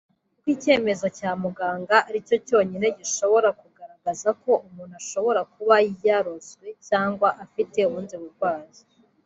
kuko icyemezo cya muganga aricyo cyonyine gishobora kugaragaza ko umuntu ashobora kuba yarozwe cyangwa afite ubundi burwayi